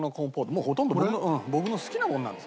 もうほとんど僕の僕の好きなものなんですけどね。